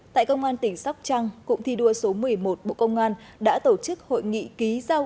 tại công an tỉnh sóc trăng cụm thi đua số một mươi một bộ công an đã tổ chức hội nghị ký giao